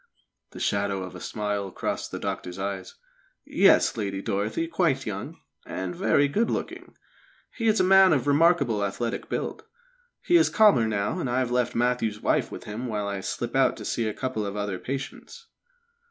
The shadow of a smile crossed the doctor's eyes. "Yes, Lady Dorothy quite young, and very good looking. He is a man of remarkable athletic build. He is calmer now, and I have left Matthew's wife with him while I slip out to see a couple of other patients."